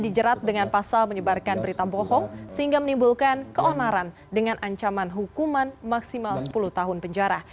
dijerat dengan pasal menyebarkan berita bohong sehingga menimbulkan keonaran dengan ancaman hukuman maksimal sepuluh tahun penjara